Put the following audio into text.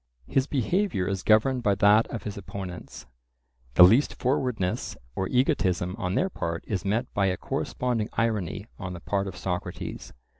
His behaviour is governed by that of his opponents; the least forwardness or egotism on their part is met by a corresponding irony on the part of Socrates.